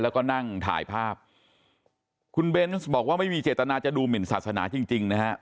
แล้วก็นั่งถ่ายภาพคุณเบนส์บอกว่าไม่มีเจตนาจะดูหมินศาสนาจริงจริงนะฮะ